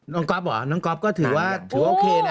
น้องก๊อฟเหรอน้องก๊อฟก็ถือว่าโอเคนะ